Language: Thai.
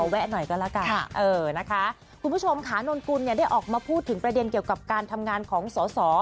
ได้ออกมาพูดเกี่ยวกับประเด็นเกี่ยวกับการทำงานของสอสอ